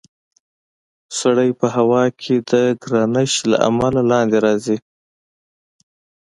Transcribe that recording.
سړی په هوا کې د ګرانش له امله لاندې راځي.